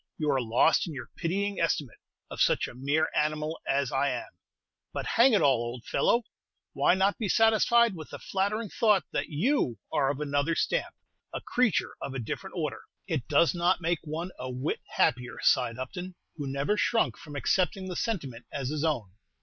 You are lost in your pitying estimate of such a mere animal as I am; but, hang it all, old fellow, why not be satisfied with the flattering thought that you are of another stamp, a creature of a different order?" "It does not make one a whit happier," sighed Upton, who never shrunk from accepting the sentiment as his own.